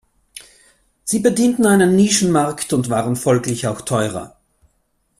Sie bedienten einen Nischenmarkt und waren folglich auch teurer.